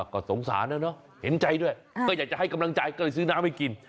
ก็สงสารแล้วเนอะเห็นใจด้วยก็อยากจะให้กำลังใจก็เลยซื้อน้ำให้กิน